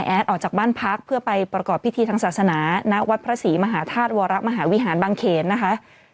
ออกจากบ้านพักเพื่อไปประกอบพิธีทางศาสนาณวัดพระศรีมหาธาตุวรมหาวิหารบางเขนนะคะ